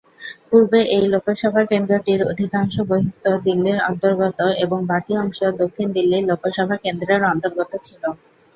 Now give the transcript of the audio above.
পূর্বে এই লোকসভা কেন্দ্রটির অধিকাংশ বহিঃস্থ দিল্লির অন্তর্গত এবং বাকি অংশ দক্ষিণ দিল্লি লোকসভা কেন্দ্রের অন্তর্গত ছিল।